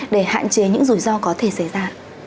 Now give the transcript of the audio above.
để hạn chế những rủi ro có thể xảy ra